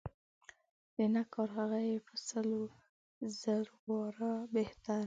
د نه کار هغه یې په سل و زر واره بهتر دی.